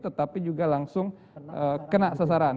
tetapi juga langsung kena sasaran